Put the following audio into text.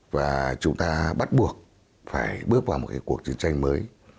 và chúng ta bắt buộc phải bước vào một cuộc chiến tranh mới